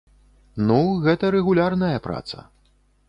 Ну, гэта рэгулярная праца.